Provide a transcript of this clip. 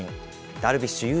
ダルビッシュ有